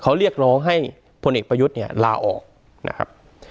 เขาเรียกร้องให้พลเอกประยุทธ์เนี่ยลาออกนะครับ